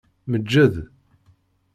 Meǧǧed.